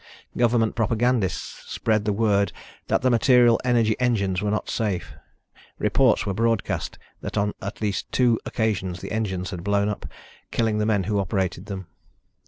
Government propagandists spread the word that the material energy engines were not safe. Reports were broadcast that on at least two occasions the engines had blown up, killing the men who operated them.